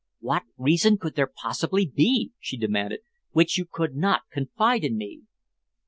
"What reason could there possibly be," she demanded, "which you could not confide in me?"